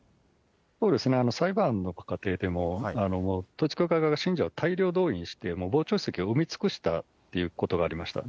そうですね、裁判の過程でも、統一教会側が信者を大量動員して、傍聴席を埋め尽くしたということがありました。